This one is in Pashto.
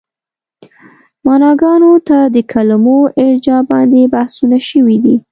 معناګانو ته د کلمو ارجاع باندې بحثونه شوي دي.